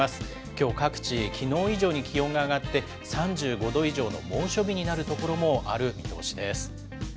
きょう各地、きのう以上に気温が上がって、３５度以上の猛暑日になる所もある見通しです。